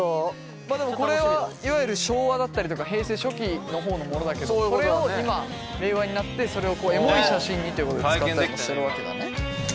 まあでもこれはいわゆる昭和だったりとか平成初期の方のものだけどそれを今令和になってそれをエモい写真にということで使ったりもしてるわけだね。